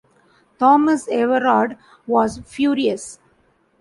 Thomas-Everard was furious.